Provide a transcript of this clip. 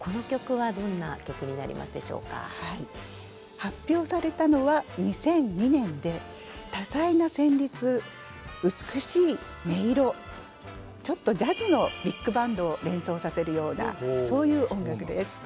発表されたのは２００２年で多彩な旋律美しい音色ちょっとジャズのビッグバンドを連想させるようなそういう音楽です。